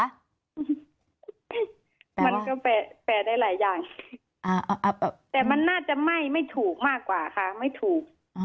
มันก็แปลกได้หลายอย่างแต่มันน่าจะไหม้ไม่ถูกมากกว่าค่ะไม่ถูก